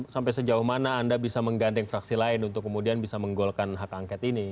sampai sejauh mana anda bisa menggandeng fraksi lain untuk kemudian bisa menggolkan hak angket ini